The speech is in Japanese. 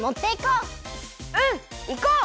うんいこう！